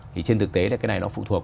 thì trên thực tế là cái này nó phụ thuộc